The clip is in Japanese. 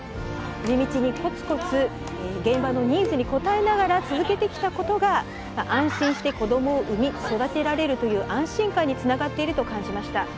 地道にコツコツ現場のニーズに応えながら続けてきたことが安心して子どもを産み育てられるという安心感につながっていると感じました。